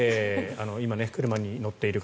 今、車に乗っている方